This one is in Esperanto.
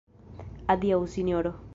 Adiaŭ, Sinjoro!